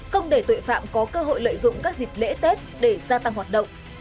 không để tội phạm có cơ hội lợi dụng các dịp lễ tết để gia tăng hoạt động